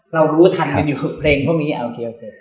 เรารู้ทันอยู่เพลงพวกนี้โอเคโอเค